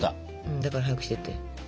だから早くしてって。